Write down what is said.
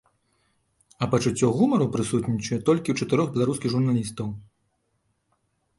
А пачуццё гумару прысутнічае толькі ў чатырох беларускіх журналістаў.